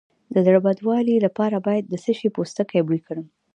د زړه بدوالي لپاره باید د څه شي پوستکی بوی کړم؟